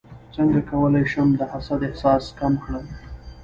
څنګه کولی شم د حسد احساس کم کړم